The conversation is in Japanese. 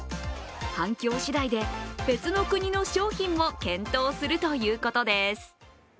反響次第で、別の国の商品も検討するということです。